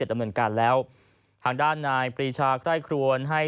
๗อำนวนการแล้วทางด้านนายปรีชาใกล้ควรให้